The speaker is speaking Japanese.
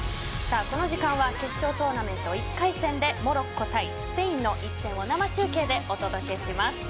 この時間は決勝トーナメント１回戦でモロッコ対スペインの一戦を生中継でお届けします。